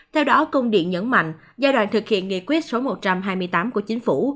theo đó công điện nhấn mạnh giai đoạn thực hiện nghị quyết số một trăm hai mươi tám của chính phủ